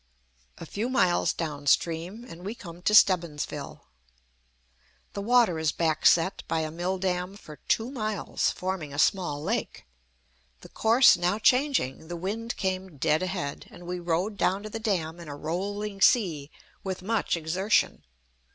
A few miles down stream and we come to Stebbinsville. The water is backset by a mill dam for two miles, forming a small lake. The course now changing, the wind came dead ahead, and we rowed down to the dam in a rolling sea, with much exertion.